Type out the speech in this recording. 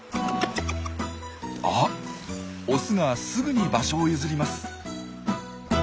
あっオスがすぐに場所を譲ります。